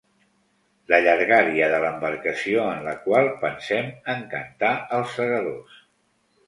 La llargària de l'embarcació en la qual pensem en cantar els Segadors.